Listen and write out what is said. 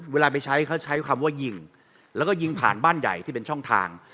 เวลาไปใช้เขาใช้คำว่ายิงแล้วก็ยิงผ่านบ้านใหญ่ที่เป็นช่องทาง